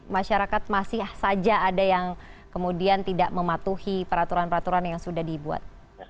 masyarakat masih saja ada yang kemudian tidak mematuhi peraturan peraturan yang sudah dibuat